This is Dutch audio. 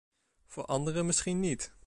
Voor andere misschien niet.